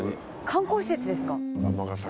観光施設ですか？